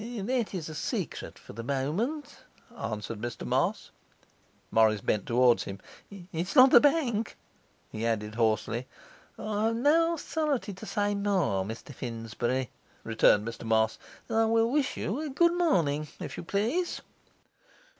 'That is a secret for the moment,' answered Mr Moss. Morris bent toward him. 'It's not the bank?' he asked hoarsely. 'I have no authority to say more, Mr Finsbury,' returned Mr Moss. 'I will wish you a good morning, if you please.